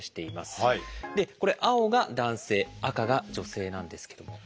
これ青が男性赤が女性なんですけども。